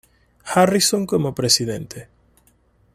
Harrison como presidente.